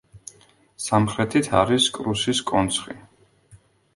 სამხრეთით არის კრუსის კონცხი.